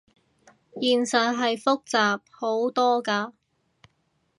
現實係複雜好多㗎